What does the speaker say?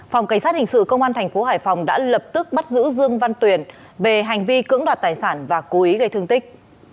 phòng cảnh sát hình sự công an thành phố hải phòng đã lập tức bắt giữ dương văn tuyền về hành vi cưỡng đoạt tài sản và cố ý gây thương tích